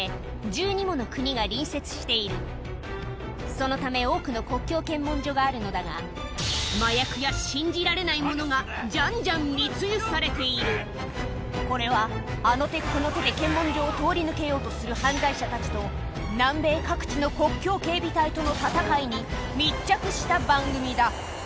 そのため多くの国境検問所があるのだが麻薬やされているこれはあの手この手で検問所を通り抜けようとする犯罪者たちと南米各地の国境警備隊との戦いに密着した番組だ